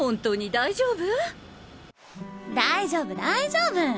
大丈夫大丈夫！